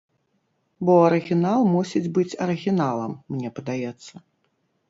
Бо арыгінал мусіць быць арыгіналам, мне падаецца.